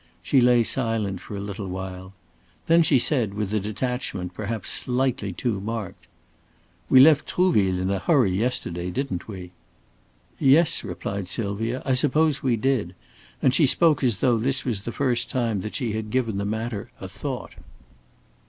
She lay silent for a little while. Then she said, with a detachment perhaps slightly too marked: "We left Trouville in a hurry yesterday, didn't we?" "Yes," replied Sylvia, "I suppose we did," and she spoke as though this was the first time that she had given the matter a thought.